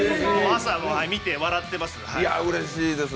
朝見て、笑ってます。